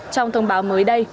trong thông báo mới đây